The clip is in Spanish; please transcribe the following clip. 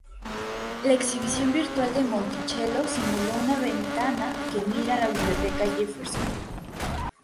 La exhibición virtual de Monticello simuló una ventana que mira a la Biblioteca Jefferson.